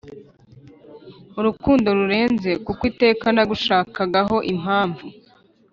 urukundo rurenze kuko iteka nagushakagaho impamvu